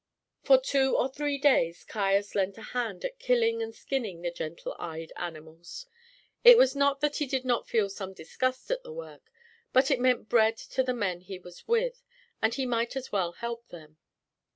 For two or three days Caius lent a hand at killing and skinning the gentle eyed animals. It was not that he did not feel some disgust at the work; but it meant bread to the men he was with, and he might as well help them.